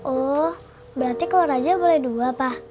oh berarti kalau raja boleh dua pak